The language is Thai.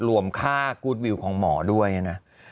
รวมค่ากู๊ดวิวของหมอด้วยนะ